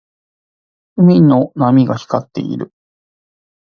海の波が光っている。